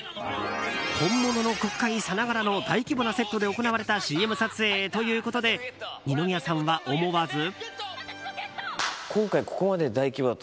本物の国会さながらの大規模なセットで行われたＣＭ撮影ということで二宮さんは、思わず。